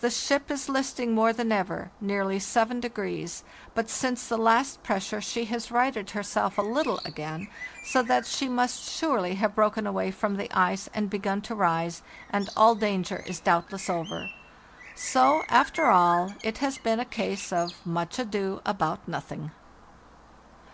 The ship is listing more than ever, nearly 7°; but since the last pressure she has righted herself a little again, so that she must surely have broken away from the ice and begun to rise, and all danger is doubtless over. So, after all, it has been a case of ' Much ado about nothing.